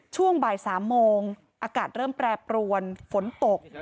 ช่วงบ่าย๓โมงอากาศเริ่มแปรปรวนฝนตก